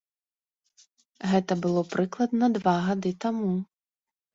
Гэта было прыкладна два гады таму.